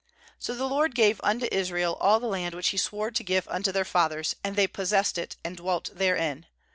^So the LORD gave unto Israel all the land which He swore to give unto their fathers; and they possessed it, and dwelt therein.